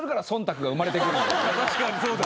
確かにそうだ。